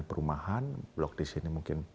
perumahan blok di sini mungkin